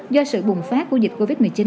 do sự bùng phát của dịch covid một mươi chín